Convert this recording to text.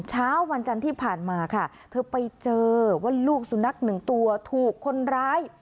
เช้าวันจันทร์ที่ผ่านมาค่ะเธอไปเจอว่าลูกสุนัขหนึ่งตัวถูกคนร้าย